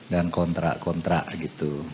dan kontrak kontrak gitu